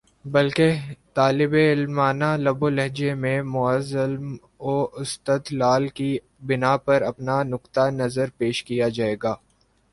بلکہ طالبِ علمانہ لب و لہجے میں محض علم و استدلال کی بنا پر اپنا نقطۂ نظر پیش کیا جائے گا